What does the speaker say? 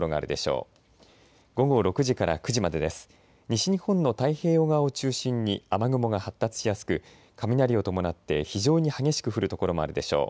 西日本の太平洋側を中心に雨雲が発達しやすく雷を伴って非常に激しく降る所もあるでしょう。